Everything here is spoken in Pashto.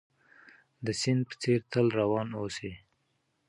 د سيند په څېر تل روان اوسئ.